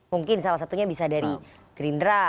mungkin salah satunya bisa dari gerindra